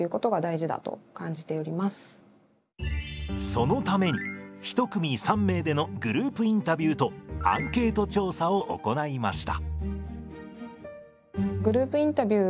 そのために１組３名でのグループインタビューとアンケート調査を行いました。